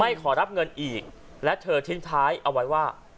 ขอรับเงินอีกและเธอทิ้งท้ายเอาไว้ว่า